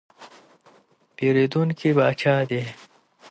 پیرودونکی پاچا دی.